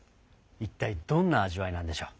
一体どんな味わいなんでしょう。